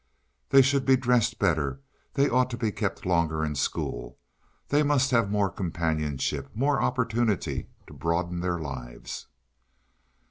They should be dressed better; they ought to be kept longer in school; they must have more companionship, more opportunity to broaden their lives.